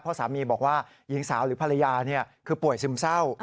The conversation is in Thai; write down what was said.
เพราะสามีบอกว่าหญิงสาวหรือภรรยาคือป่วยซึมเศร้า